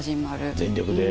全力で。